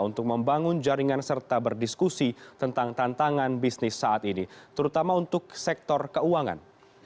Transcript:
untuk membangun jaringan serta berdiskusi tentang tantangan bisnis saat ini terutama untuk sektor keuangan